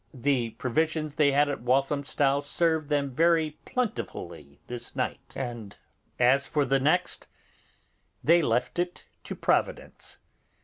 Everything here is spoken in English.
The provisions they had at Walthamstow served them very plentifully this night; and as for the next, they left it to Providence.